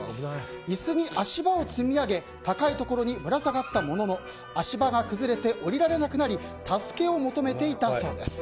椅子に足場を積み上げ高いところにぶら下がったものの足場が崩れて下りられなくなり助けを求めていたそうです。